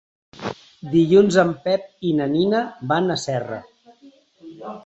Dilluns en Pep i na Nina van a Serra.